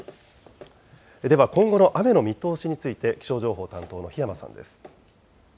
では今後の雨の見通しについて気象情報担当の檜山さんです。